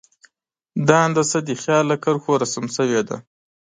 دا هندسه د خیال له کرښو رسم شوې ده.